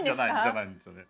じゃないんですよね